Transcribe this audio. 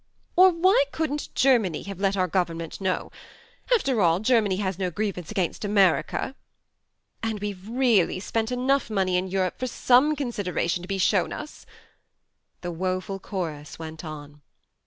..." "Or why couldn't G ermany have let our Government know ? After all, Germany has no grievance against America. ..."" And we've really spent enough THE MARNE 21 money in Europe for some consideration to be shown us ..." the woeful chorus went on.